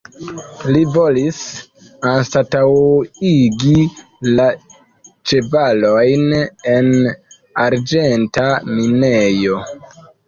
Li volis anstataŭigi la ĉevalojn en arĝenta minejo.